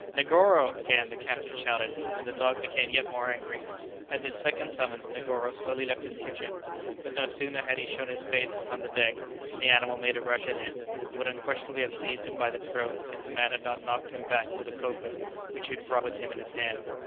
"Negoro!" again the captain shouted, and the dog became yet more angry. At this second summons Negoro slowly left his kitchen, but no sooner had he shown his face upon the deck than the animal made a rush at him, and would unquestionably have seized him by the throat if the man had not knocked him back with a poker which he had brought with him in his hand.